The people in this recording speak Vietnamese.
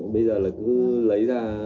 bây giờ là cứ lấy ra